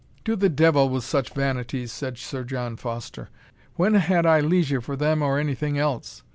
"To the devil with such vanities!" said Sir John Foster; "when had I leisure for them or any thing else?